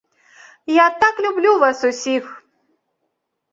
Я так люблю вас усіх!